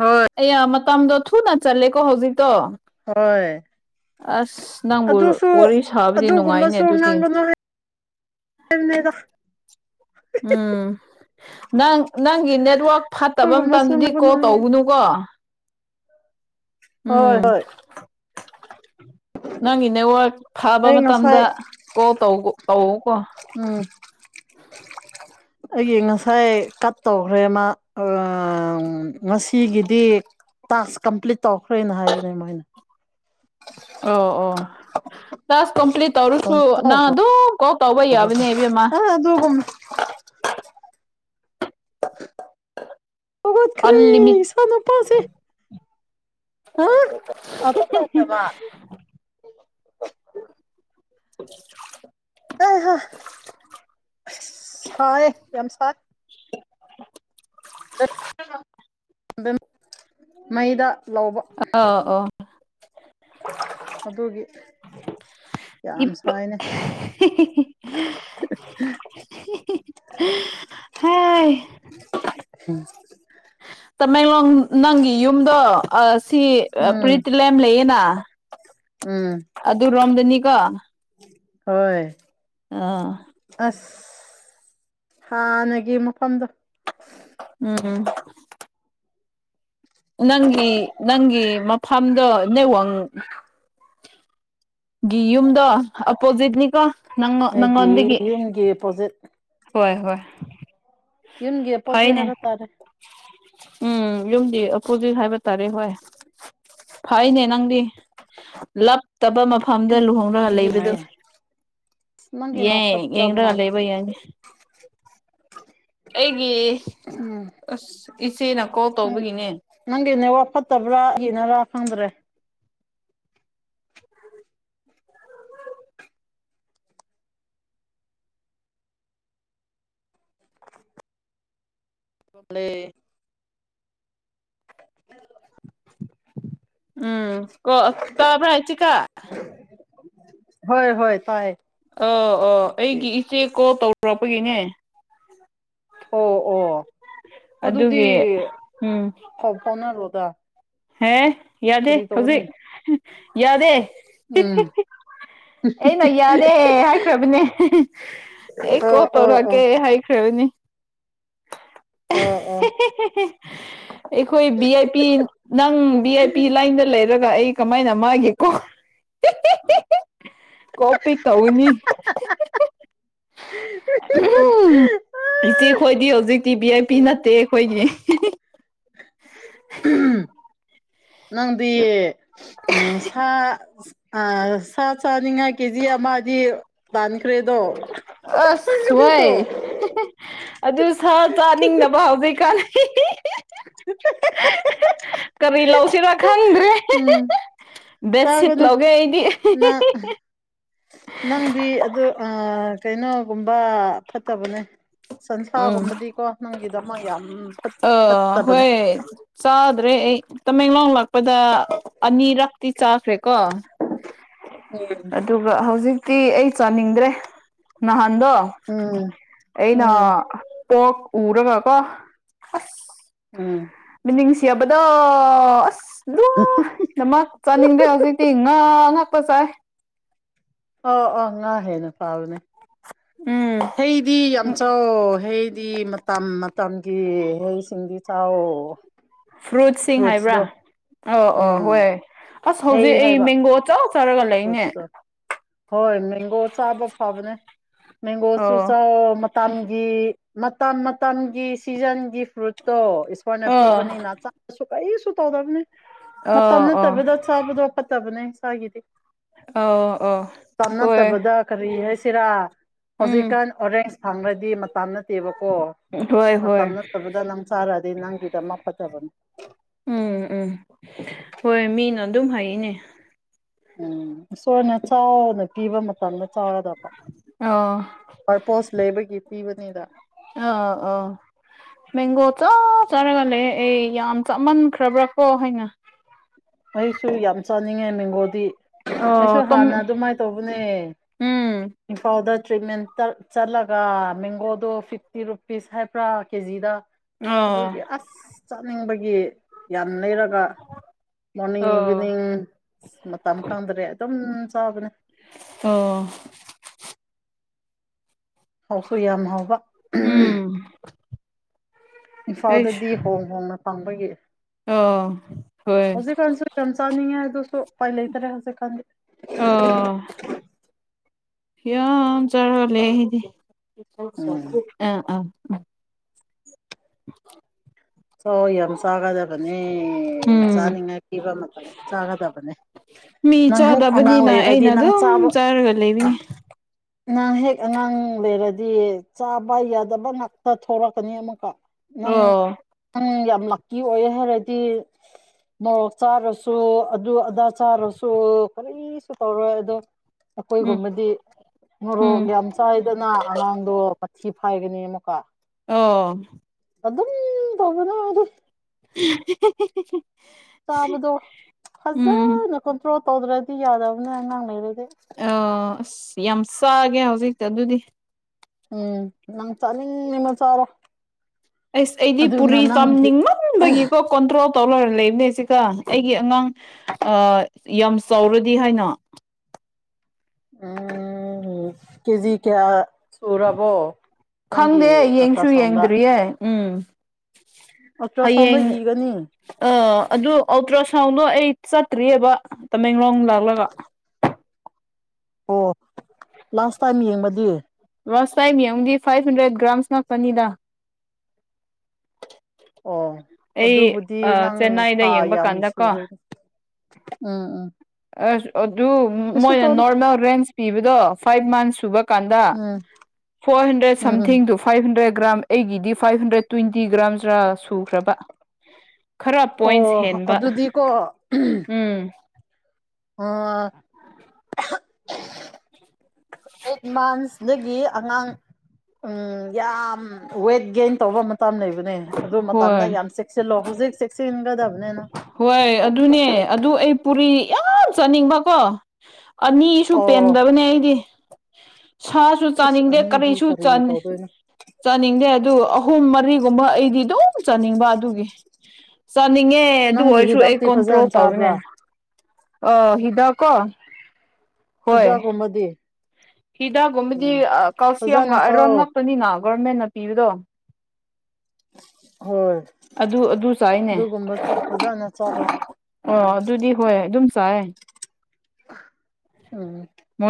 ꯍꯣꯏ ꯑꯦꯌꯥ ꯃꯇꯝꯗꯣ ꯊꯨꯅ ꯆꯠꯂꯦꯀꯣ ꯍꯧꯖꯤꯛ ꯍꯣꯏ ꯑꯁ ꯅꯪꯕꯨ ꯑꯗꯨꯁꯨ ꯋꯥꯔꯤ ꯁꯥꯕꯗꯤ ꯅꯨꯡꯉꯥꯏꯅꯦ ꯑꯗꯨꯒꯨꯝꯕꯁꯨ ꯑꯗꯨꯗꯤ ꯉꯥꯡꯒꯅꯨ ꯍꯥꯏ ꯂꯦꯗ ꯎꯝ ꯅꯪ ꯅꯪꯒꯤ ꯅꯦꯠꯋꯥꯔꯛ ꯐꯠꯇꯕ ꯑꯗꯨꯒꯨꯝꯕꯁꯨ ꯃꯇꯝꯗꯗꯤ ꯉꯥꯡꯒꯅꯨ ꯀꯣꯜ ꯍꯥꯏꯌꯦ ꯇꯧꯅꯨꯀꯣ ꯍꯣꯏ ꯍꯣꯏ ꯅꯪꯒꯤ ꯅꯦꯠꯋꯥꯔꯛ ꯐꯥꯕ ꯑꯩ ꯃꯇꯝꯗ ꯉꯁꯥꯏ ꯀꯣꯜ ꯇ ꯇꯧꯑꯣ ꯎꯝ ꯑꯩꯒꯤ ꯉꯁꯥꯏ ꯀꯠ ꯇꯧꯈ꯭ꯔꯦꯃ ꯑꯥ ꯉꯁꯤꯒꯤꯗꯤ ꯇꯥꯛꯁ ꯀꯝꯄ꯭ꯂꯤꯠ ꯇꯧꯈ꯭ꯔꯦꯅ ꯍꯥꯏꯕꯅꯦ ꯃꯣꯏꯅ ꯑꯣ ꯑꯣ ꯇꯥꯛꯁ ꯀꯝꯄ꯭ꯂꯠ ꯑꯣꯏꯔꯁꯨ ꯄꯪꯇꯧ ꯅꯪ ꯑꯗꯨꯝ ꯀꯣꯜ ꯇꯧꯕ ꯇꯧꯔꯒ ꯌꯥꯕꯅꯦ ꯏꯕꯦꯝꯃ ꯑ ꯑꯗꯨꯒꯨꯝ ꯍꯧꯒꯠꯈ꯭ꯔꯦ ꯑꯟꯂꯤꯃꯤꯠ ꯏꯆꯥꯅꯨꯄꯥꯁꯦ [unintelligible] [inaudible] ꯑꯁ ꯁꯥꯌꯦ ꯌꯥꯝ ꯁꯥꯏ [unintelligible] ꯃꯩꯗꯥ ꯑ ꯑꯣ ꯑꯗꯨꯒꯤ ꯌꯥꯝ ꯁꯥꯏꯅꯦ ꯍꯦ ꯎꯝ ꯇꯃꯦꯡꯂꯣꯡ ꯅꯪꯒꯤ ꯌꯨꯝꯗꯣ ꯁꯤ ꯎꯝ ꯄ꯭ꯔꯤꯠꯂꯦꯝ ꯂꯩꯌꯦꯅ ꯎꯝ ꯑꯗꯨ ꯔꯣꯝꯗꯅꯤꯀꯣ ꯍꯣꯏ ꯑꯥ ꯑꯁ ꯍꯥꯟꯅꯒꯤ ꯃꯐꯝꯗꯣ ꯎꯝ ꯎꯝ ꯅꯪꯒꯤ ꯅꯪꯒꯤ ꯃꯐꯝꯗꯣ ꯅꯦꯠꯋꯥꯡ ꯒꯤ ꯌꯨꯝꯗꯣ ꯑꯄꯣꯖꯤꯠꯅꯤꯀꯣ ꯑꯩꯒꯤ ꯅꯪꯉꯣꯟꯗꯒꯤ ꯌꯨꯝꯒꯤ ꯑꯄꯣꯖꯤꯠ ꯍꯣꯏ ꯍꯣꯏ ꯌꯨꯝꯒꯤ ꯄꯣꯠꯁꯩ ꯐꯩꯅꯦ ꯍꯥꯏꯕ ꯇꯥꯔꯦ ꯎꯝ ꯌꯨꯝꯗꯤ ꯑꯣꯄꯣꯖꯤꯠ ꯍꯥꯏꯕ ꯇꯥꯔꯦ ꯍꯣꯏ ꯐꯥꯏꯅꯦ ꯅꯪꯗꯤ ꯂꯞ ꯇꯕ ꯃꯐꯝꯗ ꯂꯨꯍꯣꯡꯅꯒ ꯂꯩꯕꯗꯨ ꯅꯪꯒꯤ ꯌꯦ ꯅꯦꯠꯋꯥꯛ ꯐꯠꯇꯕ ꯌꯦꯅꯤꯡꯗꯒ ꯃꯥꯜꯂꯦ ꯂꯩꯕꯩ ꯌꯥꯦ ꯑꯩꯒꯤ ꯑ ꯏꯁꯤ ꯅ ꯎ ꯅꯪꯒꯤꯅꯦ ꯋꯥ ꯐꯠꯇꯕ꯭ꯔꯥ ꯌꯦꯅꯔꯥ ꯈꯪꯗ꯭ꯔꯦ ꯀ꯭ꯂꯦ ꯎꯝ ꯀ ꯇꯥꯕꯥꯏ ꯆ ꯀ ꯍꯣꯏ ꯍꯣꯏ ꯇꯥꯏꯌꯦ ꯑ ꯑꯥ ꯑꯩꯒꯤ ꯏꯆꯦ ꯀꯣꯜ ꯇꯧꯔꯔꯛꯄꯒꯤꯅꯦ ꯑꯣ ꯑꯣ ꯑꯗꯨꯗꯤ ꯑꯗꯨꯒꯤ ꯎꯝ ꯀ ꯐꯥꯎꯅꯔꯣꯗ ꯍꯦ ꯌꯥꯗꯦ ꯀꯔꯤ ꯇꯧꯒꯅꯤ ꯍꯧꯖꯤꯛ ꯌꯥꯗꯦ ꯎꯝ ꯑꯩ ꯅ ꯌꯥꯗꯦ ꯍꯥꯏꯈ꯭ꯔꯕꯅꯦ ꯑꯩ ꯀꯣ ꯑꯣ ꯑꯣ ꯑꯣ ꯇꯧꯔꯒꯦ ꯍꯥꯏꯥꯏ ꯈꯦꯅꯤ ꯑ ꯎ ꯑꯩꯈꯣꯏ ꯚꯤ ꯑꯥꯏ ꯄꯤ ꯅꯪ ꯚꯤ ꯑꯥꯏ ꯄꯤ ꯂꯥꯏꯟꯗ ꯂꯩꯔ ꯒ ꯑꯩ ꯀꯃꯥꯏꯅ ꯃꯥꯒꯦꯀꯣ ꯀꯄꯤꯤ ꯀꯧꯅꯤ ꯑ ꯑꯩꯈꯣꯏꯗꯤ ꯍꯧꯖꯤꯛꯇꯤ ꯕꯤ ꯑꯦꯝ ꯄꯤ ꯅꯠꯇꯦ ꯑꯩꯈꯣꯏꯒꯤ ꯎꯝ ꯅꯪꯗꯤ ꯎꯝ ꯁꯥ ꯑ ꯁꯥ ꯆꯥꯅꯤꯉꯥꯏ ꯀꯦꯖꯤ ꯑꯃꯗꯤ ꯂꯥꯟꯈ꯭ꯔꯦꯗꯣ ꯑꯁ ꯋꯥꯣꯏ ꯑꯗꯨ ꯁꯥ ꯆꯥꯅꯤꯡꯗꯅꯕ ꯍꯧꯖꯤꯩ ꯀꯥꯟꯅ ꯀꯔꯤ ꯂꯧꯁꯤꯅꯣ ꯈꯪꯗ꯭ꯔꯦ ꯎꯝ ꯁ ꯁꯤꯠ ꯆꯥꯒꯅꯨ ꯂꯧꯒꯦ ꯏꯅꯤ ꯅꯪ ꯅꯪꯗꯤ ꯑꯗꯨ ꯀꯩꯅꯣꯒꯨꯝꯕ ꯐꯠꯇꯕꯅꯦ ꯁꯟꯁꯥꯒꯨꯝꯕꯗꯤꯀꯣ ꯅꯪꯒꯤ ꯁꯃꯌꯥꯝ ꯑꯥ ꯍꯣꯏ ꯆꯥꯗ꯭ꯔꯦ ꯑꯩ ꯇꯃꯦꯡꯂꯣꯡ ꯂꯥꯛꯄꯗ ꯑꯅꯤꯔꯛꯇꯤ ꯆꯥꯈ꯭ꯔꯦꯀꯣ ꯎꯝ ꯑꯗꯨꯒ ꯍꯧꯖꯤꯛ ꯛꯇꯤ ꯑꯩ ꯆꯥꯅꯤꯡꯗ꯭ꯔꯦ ꯅꯍꯥꯟꯗꯣ ꯎꯝ ꯑꯩꯅ ꯎꯝ ꯄꯣ ꯎꯔꯒ ꯀ ꯎꯝ ꯁꯤꯕꯗꯣ ꯑꯁ ꯂꯨ ꯅꯃꯛ ꯆꯥꯅꯤꯡꯗ꯭ꯔꯦ ꯍꯧꯖꯤꯛꯇꯤ ꯉꯥ ꯉꯥꯛ ꯀꯄꯁꯥꯏ ꯑ ꯑ ꯑꯉꯍꯦꯅ ꯐꯥꯎꯅꯦ ꯎꯝ ꯍꯦ ꯏꯗꯤ ꯑꯆꯥ ꯍꯩꯗꯤ ꯃꯇꯝ ꯃꯇꯝꯒꯤ ꯍꯩꯁꯤꯡꯗꯤ ꯆꯥꯎ ꯐ꯭ꯔꯨꯠꯁꯤꯡ ꯍꯥꯏꯕ꯭ꯔꯥ ꯐ꯭ꯔꯨꯠꯁꯗꯣ ꯑ ꯑ ꯎꯝ ꯍꯣꯏꯣꯏ ꯑꯁ ꯍꯩ ꯍꯧꯖꯤꯛ ꯑꯩ ꯍꯥꯏꯕ ꯃꯦꯡꯒꯣ ꯆ ꯇꯧꯔꯒꯂ ꯏꯅꯦ ꯐ꯭ꯔꯨꯠꯁꯇꯣ ꯍꯣꯏ ꯃꯦꯡꯒꯣ ꯆꯥꯕ ꯐꯕꯅꯦ ꯃꯦꯡꯒꯣꯁꯨ ꯑꯣ ꯃꯇꯝꯒꯤ ꯃꯇꯝ ꯃꯇꯝꯒꯤ ꯁꯤꯖꯟꯒꯤ ꯐ꯭ꯔꯨꯠꯇꯣ ꯏꯁꯣꯔꯅ ꯑꯣ ꯄꯤꯕꯅꯤꯅ ꯀꯔꯤꯁꯨ ꯇꯧꯗꯕꯅꯦ ꯃꯇꯝ ꯑꯣ ꯑꯣ ꯅꯠꯇꯕꯤꯗ ꯆꯥꯕꯗꯣ ꯐꯠꯇꯕꯅꯦ ꯏꯁꯥꯒꯤꯗꯤ ꯑꯣ ꯑꯣ ꯇꯞ ꯍꯣꯏ ꯅꯠꯇꯕꯗ ꯀꯔꯤ ꯍꯥꯏꯁꯤꯔꯥ ꯎꯝ ꯍꯧꯖꯤꯛꯀꯥꯟ ꯑꯣꯔꯦꯟꯖ ꯐꯪꯈ꯭ꯔꯗꯤ ꯃꯇꯝ ꯅꯠꯇꯦꯕꯀꯣ ꯍꯣꯏ ꯃꯇꯝ ꯍꯣꯏ ꯅꯠꯇꯕꯤꯗ ꯅꯪ ꯆꯥꯔꯛꯑꯗꯤ ꯅꯪꯒꯤꯗ ꯃꯥ ꯐꯖꯕꯅꯤ ꯎꯝ ꯎꯝ ꯍꯣꯏ ꯃꯤꯅ ꯑꯗꯨꯝ ꯍꯥꯏꯅꯦ ꯎꯝ ꯁꯣꯏꯅ ꯆꯥꯎꯅ ꯄꯤꯕ ꯃꯇꯝꯗ ꯆꯥꯎꯔꯗꯕ ꯑꯣ ꯄꯔꯄꯣꯁ ꯂꯩꯕꯒꯤ ꯄꯤꯕꯅꯤꯗ ꯑ ꯑ ꯃꯦꯡꯒꯣ ꯆꯥ ꯆꯥꯔꯒ ꯂꯩ ꯑꯩ ꯌꯥꯝ ꯆꯥꯃꯟꯈ꯭ꯔꯕ꯭ꯔꯥ ꯀꯣ ꯍꯥꯏꯅ ꯑꯩꯁꯨ ꯌꯥꯝ ꯆꯥꯅꯤꯡꯉꯦ ꯃꯦꯡꯒꯣꯗꯤ ꯑꯩꯁꯨ ꯑꯣ ꯇꯝ ꯍꯥꯟꯅ ꯑꯗꯨꯃꯥꯏꯅ ꯇꯧꯕꯅꯦ ꯎꯝ ꯏꯝꯐꯥꯜꯗ ꯇ꯭ꯔꯤꯃꯦꯟ ꯆꯠꯂꯒ ꯃꯦꯡꯒꯣꯗꯣ ꯐꯤꯐꯇꯤ ꯔꯨꯄꯤꯁ ꯍꯥꯏꯕ꯭ꯔꯥ ꯀꯦꯖꯤꯗ ꯑꯣ ꯑꯗꯨꯒꯤ ꯑꯁ ꯆꯥꯅꯤꯡꯕꯒꯤ ꯌꯥꯝ ꯂꯩꯔꯒ ꯃꯣꯔꯅꯤꯡ ꯏꯚꯤꯅꯤꯡ ꯑꯣ ꯃꯇꯝ ꯀꯥꯡꯗꯔꯦ ꯑꯗꯨꯝ ꯆꯥꯕꯅꯦ ꯑꯣ ꯍꯥꯎꯁꯨ ꯌꯥꯝ ꯍꯥꯎꯕ ꯎꯝ ꯑꯩꯁ ꯏꯝꯐꯥꯜꯗꯗꯤ ꯍꯣꯡ ꯍꯣꯡꯅ ꯄꯥꯡꯕꯒꯤ ꯑꯣ ꯍꯣꯏ ꯍꯧꯖꯤꯛꯀꯥꯟꯁꯨ ꯌꯥꯝ ꯆꯥꯅꯤꯡꯉꯦ ꯑꯗꯨ ꯑꯗꯨꯁꯨ ꯎꯄꯥꯏ ꯂꯩꯇꯔꯦ ꯍꯧꯖꯤꯛꯀꯥꯟꯗꯤ ꯍ ꯆꯔ ꯂꯩꯗꯤ ꯎꯝ ꯑ ꯑ [unintelligible] ꯁꯧ ꯌꯥꯝ ꯆꯥꯒꯗꯕꯅꯦ ꯎꯝ ꯆꯥꯅꯤꯡꯉꯥꯏ ꯄꯤꯕ ꯃꯇꯝ ꯌꯥꯝ ꯆꯥꯒꯗꯕꯅꯦ ꯃꯤ ꯉꯪꯍꯥꯛ ꯑꯉꯥꯡ ꯆꯥꯗꯕꯅꯤꯅ ꯂꯩꯔꯗꯤ ꯑꯩꯅ ꯅꯪ ꯑꯗꯨꯝ ꯆꯥꯕ ꯆꯥꯔꯒ ꯂꯩꯕꯅꯤ ꯅꯍꯍꯦꯛ ꯑꯉꯥꯡ ꯂꯩꯔꯗꯤ ꯆꯥꯕ ꯌꯥꯗꯕ ꯉꯥꯛꯇ ꯊꯂꯛꯀꯅꯤ ꯑꯃꯨꯛꯀ ꯅꯪ ꯑꯣ ꯅꯪ ꯌꯥꯝ ꯂꯛꯀꯤ ꯑꯣꯏ ꯍꯥꯏꯔꯗꯤ ꯃꯣꯔꯣꯛ ꯆꯥꯔꯁꯨ ꯑꯗꯨ ꯑꯗꯥ ꯆꯥꯔꯁꯨ ꯀꯔꯤꯁꯨ ꯇꯧꯔꯣꯏ ꯑꯗꯣ ꯎꯝ ꯑꯩꯈꯣꯏꯒꯨꯝꯕꯗꯤ ꯃꯣꯔꯣꯛ ꯎꯝ ꯌꯥꯝ ꯆꯥꯏꯗꯅ ꯑꯉꯥꯡꯗꯣ ꯃꯊꯤ ꯍꯥꯏꯒꯅꯤ ꯑꯃꯨꯛꯀ ꯑꯣ ꯑꯗꯨ ꯑꯗꯨꯝ ꯇꯒꯅꯗꯤꯦ [unintelligible] ꯇꯥꯕꯗꯣ ꯎꯝ ꯐꯖꯅ ꯀꯟꯇ꯭ꯔꯣꯜ ꯇꯧꯗ꯭ꯔꯗꯤ ꯌꯥꯗꯕꯅꯦ ꯑꯉꯥꯡ ꯂꯩꯩꯔꯩ ꯑ ꯑꯁ ꯌꯥꯝ ꯆꯥꯒꯦ ꯍꯧꯖꯤꯛꯇ ꯑꯗꯨꯗꯤ ꯎꯝ ꯅꯪ ꯆꯠꯅꯤꯡꯃ ꯆꯥꯔꯣ ꯑꯁ ꯑꯩꯗꯤ ꯑꯗꯨꯅ ꯄꯨꯔꯤ ꯅꯪꯒꯤ ꯆꯥꯅꯤꯡꯃꯟꯕꯒꯤꯀꯣ ꯀꯣꯟꯗ꯭ꯔꯣ ꯇꯧ ꯂꯣꯏꯔ ꯂꯩꯕꯅꯦ ꯁꯤꯒ ꯑꯩꯒꯤ ꯑꯉꯥꯡ ꯌꯥꯝ ꯆꯥꯎꯔꯗꯤ ꯍꯥꯏꯅꯣ ꯎꯝ ꯀꯦꯖꯤ ꯀꯌꯥ ꯁꯨꯔꯕꯣ ꯈꯪꯗꯦ ꯅꯪꯒꯤ ꯑꯜꯇ꯭ꯔ ꯌꯦꯡꯁꯨ ꯁꯥꯎꯟꯗ ꯌꯦꯡꯗ꯭ꯔꯤꯌꯦꯦ ꯎꯝ ꯑꯜꯇ꯭ꯔ ꯁꯥꯎꯟꯗ ꯍꯌꯦꯡ ꯏꯒꯅꯤ ꯑ ꯑꯗꯨ ꯑꯜꯇ꯭ꯔ ꯁꯥꯎꯟꯗꯣ ꯑꯩ ꯆꯠꯇ꯭ꯔꯤꯑꯕ ꯇꯃꯦꯡꯂꯣꯡ ꯂꯥꯛꯂꯒ ꯑꯣ ꯂꯥꯁ ꯇꯥꯏꯝ ꯌꯦꯡꯕꯗꯤ ꯂꯥꯁ ꯇꯥꯏꯝ ꯌꯦꯡꯉꯨꯗꯤ ꯐꯥꯏꯚ ꯍꯟꯗ꯭ꯔꯦꯠ ꯒ꯭ꯔꯥꯝꯁ ꯉꯥꯛꯄꯅꯤꯗ ꯑꯣ ꯑꯩ ꯑꯗꯨꯕꯨꯗꯤ ꯑ ꯅꯪ ꯆꯦꯟꯅꯥꯏꯗ ꯊꯥ ꯌꯦꯡꯕ ꯌꯥꯝ ꯀꯥꯟꯗ ꯀꯣ ꯁꯨꯔꯣꯏꯅꯦ ꯎꯝ ꯎꯝ ꯑꯁ ꯑꯗꯨ ꯀꯩꯁꯨ ꯃꯣꯏꯅ ꯇꯧꯔꯣꯏ ꯅꯣꯔꯃꯦꯜ ꯔꯦꯟꯁ ꯄꯤꯕꯗꯣ ꯐꯥꯏꯚ ꯃꯟꯁ ꯁꯨꯕ ꯀꯥꯟꯗ ꯎꯝ ꯐꯣꯔ ꯍꯟꯗ꯭ꯔꯦꯠ ꯎꯝ ꯎꯝ ꯁꯝꯊꯤꯡꯗꯨ ꯐꯥꯏꯚ ꯍꯟꯗ꯭ꯔꯦꯠ ꯒ꯭ꯔꯥꯝ ꯑꯩꯒꯤꯗꯤ ꯐꯥꯏꯚ ꯍꯟꯗ꯭ꯔꯦꯠ ꯇ꯭ꯋꯦꯟꯇꯤ ꯒ꯭ꯔꯥꯝꯁꯔ ꯁꯨꯈ꯭ꯔꯕ ꯈꯔ ꯑꯣ ꯄꯣꯏꯟꯁ ꯍꯦꯟꯕ ꯑꯗꯨꯗꯤꯀꯣ ꯎꯝ ꯑꯣ ꯎ ꯑꯩꯠ ꯃꯟꯁꯗꯒꯤ ꯑꯉꯥꯡ ꯎꯝ ꯌꯥꯝ ꯋꯦꯠ ꯒꯦꯟ ꯇꯧꯕ ꯃ ꯇꯝ ꯂꯩꯕꯅꯦ ꯑꯗꯨ ꯃꯇꯝꯗ ꯍꯣꯏ ꯌꯥꯝ ꯆꯦꯛꯁꯤꯜꯂꯣ ꯍꯧꯖꯤꯛ ꯆꯦꯛꯁꯤꯟꯒꯗꯕ ꯍꯣꯏ ꯑꯗꯨꯅꯦ ꯑꯗꯨ ꯑꯩ ꯄꯨꯔꯤ ꯌꯥꯝ ꯆꯥꯅꯤꯡꯕꯀꯣ ꯑꯅꯤꯁꯨ ꯑꯣ ꯄꯦꯟꯗꯕꯅꯦ ꯑꯩꯗꯤ ꯁꯥꯁꯨ ꯏꯁ ꯆꯥꯅꯤꯡꯗꯦ ꯑꯅꯤꯗꯤ ꯀꯔꯤꯁꯨ ꯀꯔꯤ ꯆ ꯇꯧꯗꯣꯏꯅꯣ ꯆꯥꯅꯤꯡꯗꯦ ꯑꯗꯨ ꯑꯍꯨꯝ ꯃꯔꯤꯒꯨꯝꯕ ꯑꯩꯗꯤ ꯑꯗꯨꯝ ꯆꯥꯅꯤꯡꯕ ꯑꯗꯨꯒꯤ ꯆꯥꯅꯤꯡꯉꯦ ꯑꯗꯨ ꯅꯪꯒꯤ ꯑꯣꯏꯔꯁꯨ ꯑꯩ ꯍꯤꯗꯥꯛꯇꯤ ꯀꯣꯟꯇ꯭ꯔꯣ ꯐꯖꯅ ꯇꯧꯅꯦ ꯆꯥꯕ꯭ꯔꯥ ꯑꯣ ꯍꯤꯗ ꯀꯣ ꯍꯣꯏ ꯁꯤꯗꯥ ꯀꯣꯕꯗꯤ ꯍꯤꯗꯥꯛꯒꯨꯝꯕꯗꯤ ꯀꯥꯎꯁꯤ ꯐꯖꯅ ꯑꯃꯒ ꯑꯔꯣꯟ ꯆꯥꯎꯋꯣ ꯉꯛꯄꯅꯤꯅ ꯒꯣꯔꯃꯦꯟꯅ ꯄꯤꯕꯗꯣ ꯍꯣꯏ ꯑꯗꯨ ꯑꯗꯨ ꯆꯥꯏꯅꯦ ꯑꯗꯨꯒꯨꯝꯕ ꯐꯖꯅ ꯆꯥꯔꯣ ꯑꯣ ꯑꯗꯨꯗꯤ ꯍꯣꯏ ꯑꯗꯨꯝ ꯁ ꯎꯝ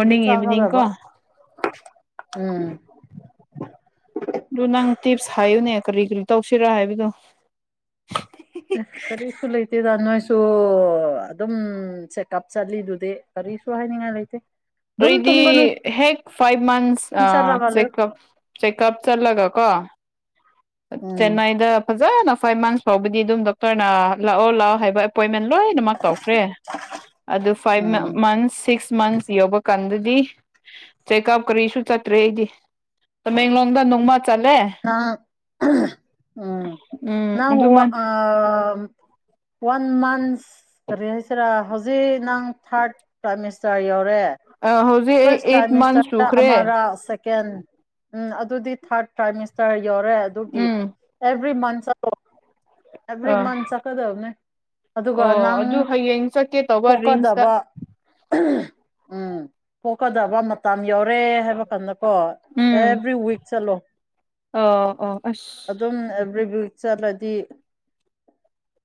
ꯑꯗꯨ ꯏꯚꯅꯤꯡ ꯀꯣ ꯆꯥꯒꯗꯕ ꯎꯝ ꯑꯗꯨ ꯅꯪ ꯇꯤꯞꯁ ꯍꯥꯏꯌꯨꯅꯦ ꯀꯔꯤ ꯀꯔꯤ ꯇꯧꯁꯤꯔꯥ ꯍꯥꯏꯕꯗꯨꯣ ꯁꯨ ꯑꯗꯨꯝ ꯆꯦꯛꯑꯞ ꯆꯠꯂꯤꯗꯨꯗꯤ ꯀꯔꯤꯁꯨ ꯍꯥꯏꯅꯤꯡꯉꯥꯏ ꯂꯩꯇꯦ ꯑꯗꯨꯝ ꯑꯩꯗꯤ ꯇꯨꯝꯒꯅꯨ ꯍꯦꯛ ꯐꯥꯏꯚ ꯃꯟꯁ ꯏꯪ ꯆꯠꯂꯒ ꯂꯩꯌꯨ ꯆꯦꯛꯞ ꯆꯦꯛꯑꯞ ꯆꯠꯂꯒ ꯀꯣ ꯎꯝ ꯆꯦꯟꯅꯥꯏꯗ ꯐꯖꯅ ꯐꯥꯏꯚ ꯃꯟꯁ ꯐꯥꯎꯕꯗꯤ ꯑꯗꯨꯝ ꯗꯣꯛꯇꯔꯅ ꯂꯥꯛꯑꯣ ꯂꯥꯛꯑꯣ ꯍꯥꯏꯕ ꯑꯦꯄꯣꯏ ꯂꯣꯏꯅꯃꯛ ꯇꯧꯈ꯭ꯔꯦ ꯑꯗꯨ ꯐꯥꯏꯚ ꯎꯝ ꯃꯟꯁ ꯁꯤꯛꯁ ꯃꯟꯁ ꯌꯧꯕ ꯀꯥꯟꯗ ꯆꯦꯛꯑꯞ ꯀꯔꯤꯁꯨ ꯆꯠꯇ꯭ꯔꯦ ꯑꯩꯗꯤ ꯇꯃꯦꯡꯂꯣꯡꯗ ꯅꯣꯡꯃ ꯆꯂꯦ ꯅꯪ ꯎꯝ ꯅꯟ ꯑꯗꯨꯃꯥꯏꯅ ꯃ ꯀꯔꯤ ꯍꯥꯏꯁꯔꯥ ꯍꯧꯖꯤꯛ ꯅꯪ ꯊꯥꯔꯠ ꯄ꯭ꯔꯥꯏꯁꯇꯔ ꯑ ꯍ ꯐꯥꯔꯁ ꯄ꯭ꯔꯥꯏꯝ ꯃꯤꯅꯤꯁꯇꯔꯗ ꯑꯃꯔꯥ ꯁꯦꯀꯦꯟ ꯑꯗꯨꯗꯤ ꯊꯥꯔꯠ ꯄ꯭ꯔꯥꯏꯝ ꯃꯤꯅꯤꯁꯇꯔ ꯌꯧꯔꯦ ꯑꯗꯨꯒꯤ ꯎꯝ ꯑꯦꯚ꯭ꯔꯤ ꯃꯟ ꯑꯕꯗꯤ ꯑꯥ ꯃꯟꯁ ꯀꯗꯧꯅ ꯑꯗꯨꯒ ꯑꯣ ꯅꯪ ꯑꯗꯨ ꯍꯌꯦꯡ ꯆꯠꯀꯦ ꯇꯧꯕ ꯔꯤꯝꯁꯇ ꯄꯀꯗꯕ ꯎꯝ ꯍꯀꯗꯕ ꯃ ꯌꯥꯧꯔꯦ ꯍꯥꯏꯕ ꯀꯥꯟꯗ ꯀꯣ ꯎꯝ ꯑꯦꯕ꯭ꯔꯤ ꯋꯤꯛ ꯆꯠꯂꯣ ꯑꯣ ꯑꯣ ꯑꯁ ꯑꯗꯨꯝ ꯑꯦꯕ꯭ꯔꯤ ꯋꯤꯛ ꯆꯠꯂꯗꯤ [inaudible]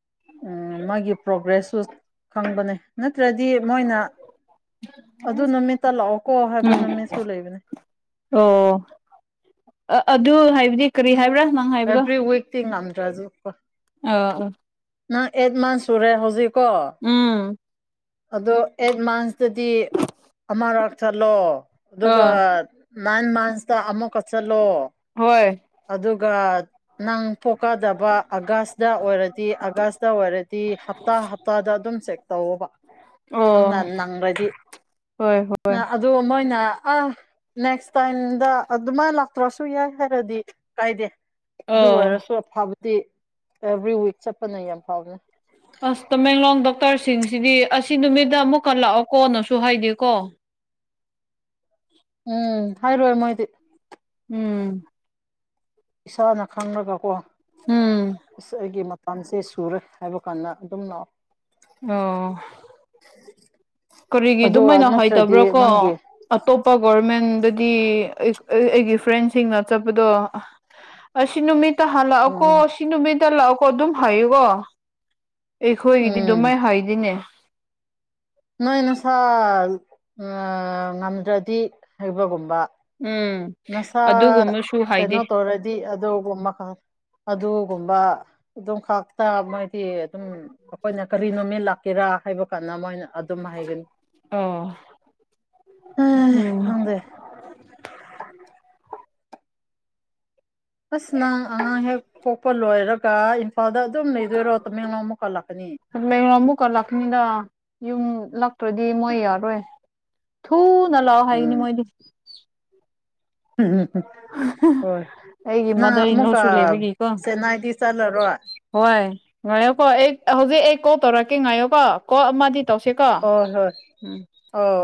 ꯎ ꯃꯥꯒꯤ ꯄ꯭ꯔꯣꯒ꯭ꯔꯦꯁꯁꯨ ꯈꯪꯕꯅꯦ ꯅꯠꯇ꯭ꯔꯗꯤ ꯃꯣꯏꯅ ꯑꯗꯨ ꯅꯨꯃꯤꯠꯇ ꯂꯥꯛꯑꯣ ꯀꯣ ꯍꯥꯏꯕ ꯎꯝ ꯅꯨꯃꯤꯠꯁꯨ ꯂꯩꯕꯅꯦ ꯑꯣ ꯑꯗꯨ ꯍꯥꯏꯕꯗꯤ ꯀꯔꯤ ꯍꯥꯏꯕ꯭ꯔꯥ ꯅꯪ ꯍꯥꯏꯕꯗꯣ ꯑꯦꯕ꯭ꯔꯤ ꯋꯤꯛ ꯊ ꯑꯗ꯭ꯔꯖ ꯑ ꯅꯪ ꯑꯦꯠ ꯃꯥꯟꯁ ꯁꯨꯔꯦ ꯍꯧꯖꯤꯛꯀꯣ ꯎꯝ ꯑꯗꯣ ꯑꯦꯠ ꯃꯥꯟꯁ ꯗꯗꯤ ꯑꯃꯔꯛ ꯆꯠꯂꯣ ꯑ ꯑꯗꯨꯒ ꯃꯥꯟ ꯃꯥꯥꯟꯁꯇ ꯑꯃꯨꯛ ꯀꯛ ꯆꯠꯂꯣ ꯍꯣꯏ ꯒꯗ ꯅꯪ ꯄꯣꯛꯀꯗꯕ ꯑꯥꯒꯁꯇ ꯑꯣꯏꯔꯗꯤ ꯑꯥꯒꯁꯇ ꯑꯣꯏꯔꯗꯤ ꯍꯞꯇꯥ ꯍꯞꯇꯥꯗ ꯑꯗꯨꯝ ꯆꯦꯛ ꯇꯧꯕ ꯅꯪꯅ ꯑꯣ ꯅꯪꯈ꯭ꯔꯗꯤ ꯍꯣꯏ ꯍꯣꯏ ꯑꯗꯨ ꯃꯣꯏꯅ ꯑꯥ ꯅꯦꯛꯁ ꯇꯥꯏꯝꯗ ꯑꯗꯨꯃꯥꯏ ꯂꯥꯛꯇ꯭ꯔꯁꯨ ꯌꯥꯏ ꯍꯥꯏꯔꯗꯤ ꯀꯥꯏꯗꯦ ꯑꯗꯨ ꯑꯣ ꯑꯣꯏꯔꯁꯨ ꯑꯐꯕꯗꯤ ꯑꯦꯚ꯭ꯔꯤ ꯋꯤꯛ ꯆꯠꯄꯅꯦ ꯌꯥꯝ ꯐꯥꯎꯕꯅꯦ ꯑꯁ ꯇ ꯃꯦꯡꯡꯂꯣꯡꯗ ꯗꯣꯛꯇꯔꯁꯤꯡꯁꯤꯗꯤ ꯑꯁꯤ ꯅꯨꯃꯤꯠꯠꯇ ꯑꯃꯨꯛꯀꯟꯂꯥꯛꯑꯣ ꯀꯣꯅꯁꯨ ꯍꯥꯏꯗꯦꯀꯣ [inaudible] ꯎꯝ ꯍꯥꯏꯔꯣꯏ ꯃꯣꯏꯗꯤ ꯎꯝ ꯏꯁꯥꯅ ꯈꯪꯉꯒꯀꯣ ꯎꯝ ꯑꯩꯒꯤ ꯝꯁꯦ ꯁꯨꯔꯦ ꯍꯥꯏꯕ ꯀꯥꯟꯗ ꯑꯗꯨꯝ ꯂꯥꯛꯑꯣ ꯑꯣ ꯀꯔꯤꯒꯤ ꯑꯗꯨꯒ ꯑꯗꯨꯃꯥꯏꯅ ꯅꯠꯇ꯭ꯔꯗꯤ ꯍꯥꯏꯇꯕ꯭ꯔꯥ ꯀꯣ ꯅꯪꯒꯤ ꯑꯇꯣꯞꯄ ꯒꯔꯃꯦꯟꯗ ꯗꯤ ꯑꯩꯒꯤ ꯐ꯭ꯔꯦꯟꯁꯤꯡꯅ ꯆꯠꯄꯗꯣ ꯑꯁꯤ ꯅꯨꯃꯤꯠ ꯍꯜꯂꯛꯑꯣꯀꯣ ꯎꯝ ꯁꯤ ꯅꯨꯃꯤꯠꯇ ꯂꯥꯛꯑꯣꯀꯣ ꯑꯗꯨꯝ ꯍꯥꯏꯌꯨꯀꯣ ꯑꯩꯈꯣꯏꯒꯤꯗꯤ ꯎꯝ ꯑꯗꯨꯃꯥꯏ ꯍꯗꯤꯅꯦ ꯅꯣꯏ ꯅꯁꯥ ꯉꯝꯗ꯭ꯔꯗꯤ ꯑꯁꯤ ꯍꯩꯕꯒꯨꯝꯕ ꯎꯝ ꯅꯁꯥ ꯑꯗꯨꯒꯨꯝꯕꯁꯨ ꯀꯩꯅꯣ ꯍꯥꯏꯗꯦ ꯇꯧꯔꯗꯤ ꯑꯗꯨꯒꯨꯝꯕ ꯑꯗꯨꯒꯨꯝꯕ ꯑꯗꯨꯝ ꯈꯥꯛꯇ ꯃꯣꯏꯗꯤ ꯑꯗꯨꯝ ꯑꯩꯈꯣꯏꯅ ꯀꯔꯤꯅꯣꯃꯤ ꯀꯦꯔꯥ ꯍꯥꯏꯕ ꯀꯥꯟꯅ ꯃꯣꯏꯅ ꯑꯗꯨꯝ ꯍꯥꯏꯒꯅꯤ ꯑꯝ ꯎꯝ ꯈꯪꯗꯦ ꯑꯁ ꯅꯪ ꯑꯉꯥꯡ ꯍꯦꯛ ꯄꯣꯛꯄ ꯂꯣꯏꯔꯒ ꯑꯐꯗ ꯑꯗꯨꯝ ꯂꯩꯗꯣꯏꯔꯣ ꯇꯃꯦꯡꯂꯣ ꯑꯃꯨꯛ ꯀꯠꯂꯛꯀꯅꯤ ꯍꯌꯦꯡ ꯑꯃꯨꯛꯀ ꯂꯥꯛꯀꯅꯤꯗ ꯌꯨꯝ ꯂꯥꯛꯇ꯭ꯔꯗꯤ ꯃꯣꯏ ꯌꯥꯎꯔꯣꯏ ꯊꯨꯅ ꯂꯥꯛꯑꯣ ꯍꯥꯏꯒꯅꯤ ꯎꯝ ꯃꯣꯏꯗꯤ ꯎꯝ ꯑꯩꯒꯤ ꯃꯥꯗꯔ ꯏꯂꯣꯁꯨ ꯂꯩꯕꯒꯤꯀꯣ ꯆꯦꯟꯅꯥꯏꯗꯤ ꯆꯠꯂꯔꯣꯏ ꯍꯣꯏ ꯉꯥꯏꯌꯣꯀꯣ ꯑꯩ ꯍꯧꯖꯤꯛ ꯑꯩ ꯀꯣꯜ ꯇꯧꯔꯛꯀꯦ ꯉꯥꯏꯌꯣꯀꯣ ꯀꯣ ꯃꯥꯗꯤ ꯇꯧꯁꯦꯀꯣ ꯍꯣꯏ ꯍꯣꯏ ꯎꯝ ꯑꯣ